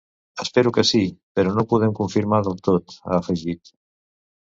Espero que sí, però no ho podem confirmar del tot, ha afegit.